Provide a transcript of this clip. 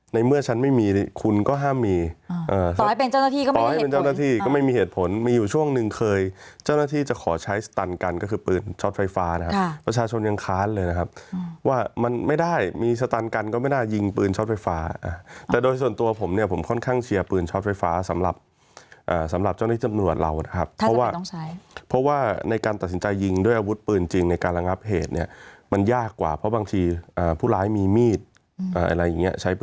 ในเมื่อฉันไม่มีคุณก็ห้ามมีต่อให้เป็นเจ้าหน้าที่ก็ไม่มีเหตุผลต่อให้เป็นเจ้าหน้าที่ก็ไม่มีเหตุผลมีอยู่ช่วงนึงเคยเจ้าหน้าที่จะขอใช้สตันกันก็คือปืนชอบไฟฟ้านะครับประชาชนยังค้านเลยนะครับว่ามันไม่ได้มีสตันกันก็ไม่ได้ยิงปืนชอบไฟฟ้าแต่โดยส่วนตัวผมเนี่ยผมค่อนข้างเ